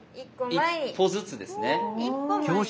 一歩ずつですね。